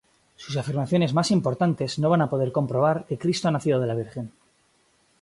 Sus afirmaciones más importantes van a probar que Cristo ha nacido de la Virgen.